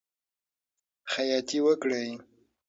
خیاطی وکړئ.